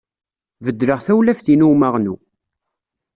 Beddleɣ tawlaft-inu n umaɣnu.